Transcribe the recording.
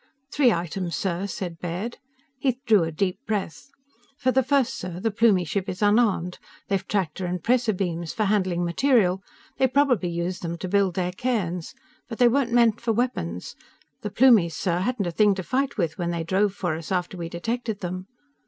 _" "Three items, sir," said Baird. He drew a deep breath. "For the first, sir, the Plumie ship is unarmed. They've tractor and pressor beams for handling material. They probably use them to build their cairns. But they weren't meant for weapons. The Plumies, sir, hadn't a thing to fight with when they drove for us after we detected them."